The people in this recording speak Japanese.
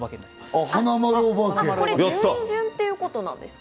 これ、順位順ということですか？